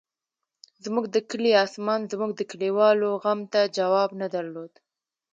زموږ د کلي اسمان زموږ د کلیوالو غم ته جواب نه درلود.